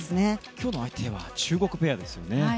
今日の相手は中国ペアですね。